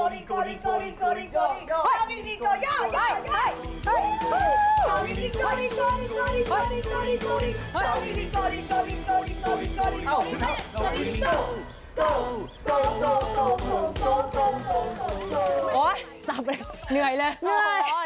เสร็จแล้วเหนื่อยเลย